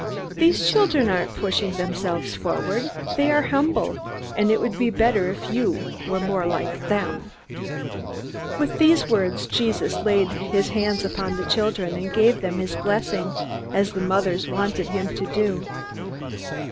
These children aren't pushing themselves forward. They are humble, and it would be better if you were more like them!" With these words Jesus laid his hands upon the children and gave them his blessing, as the mothers wanted him to do.